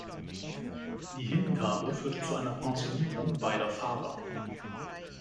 Die Hingabe führte zu einer Pensionierung beider Fahrer.